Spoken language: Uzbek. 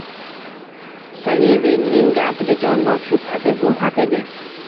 Sallivenning gapida jon bor, shubhasiz, u haq edi.